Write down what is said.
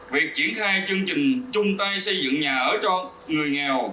việc triển khai chương trình chung tay xây dựng nhà ở cho người nghèo